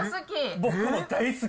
僕大好き。